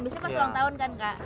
biasanya pas ulang tahun kan kak